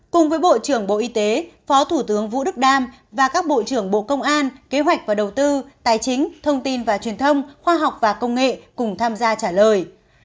cùng với bộ trưởng bộ y tế phó thủ tướng vũ đức đam và các bộ trưởng bộ công an kế hoạch và đầu tư tài chính thông tin và truyền thông khoa học và công nghệ cùng tham gia trả lời